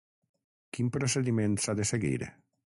Quin procediment s’ha de seguir?